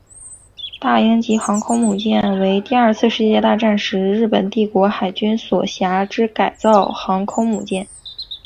大鹰级航空母舰为第二次世界大战时日本帝国海军所辖之改造航空母舰。